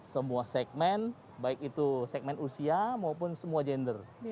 semua segmen baik itu segmen usia maupun semua gender